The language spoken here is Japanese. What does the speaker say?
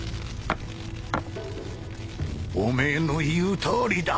おめえの言うとおりだ。